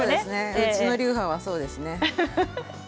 うちの流派はそうですね。